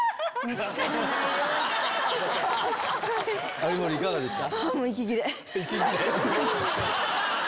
有森いかがでした？